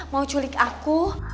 mau culik aku